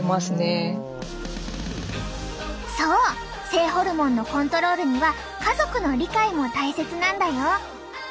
性ホルモンのコントロールには家族の理解も大切なんだよ。